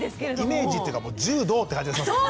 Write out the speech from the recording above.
イメージっていうかもう柔道って感じがしますけどね。